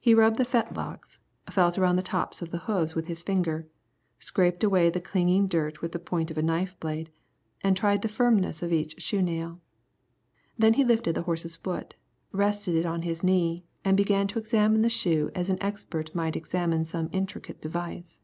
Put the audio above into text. He rubbed the fetlocks, felt around the top of the hoofs with his finger, scraped away the clinging dirt with the point of a knife blade, and tried the firmness of each shoe nail. Then he lifted the horse's foot, rested it on his knee, and began to examine the shoe as an expert might examine some intricate device.